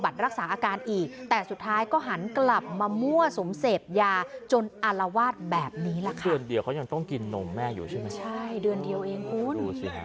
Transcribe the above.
แต่สุดท้ายก็หันกลับมามั่วสมเสพยาจนอลวาดแบบนี้แหละค่ะเดือนเดียวเขายังต้องกินนมแม่อยู่ใช่ไหมใช่เดือนเดียวเองคุณ